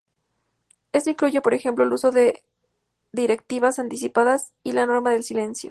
Esto incluye, por ejemplo, el uso de directivas anticipadas y la norma del silencio.